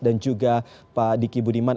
dan juga pak diki budiman